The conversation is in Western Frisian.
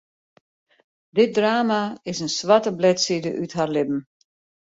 Dit drama is in swarte bledside út har libben.